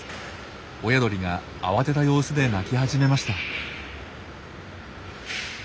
親鳥が慌てた様子で鳴き始めました。